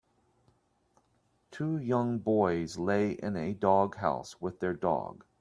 Two youn boys lay in a dog house with their dog.